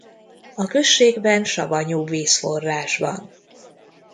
A községben savanyúvíz-forrás van.